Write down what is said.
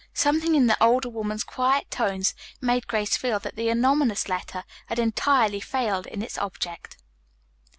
Something in the older woman's quiet tones made Grace feel that the anonymous letter had entirely failed in its object.